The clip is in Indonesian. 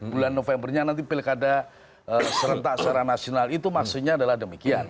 bulan november nya nanti pilih kata serentak secara nasional itu maksudnya adalah demikian